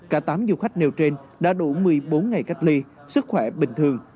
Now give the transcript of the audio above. cả tám du khách nêu trên đã đủ một mươi bốn ngày cách ly sức khỏe bình thường